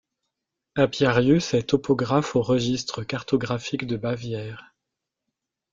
Apiarius est topographe au Registre cartographique de Bavière.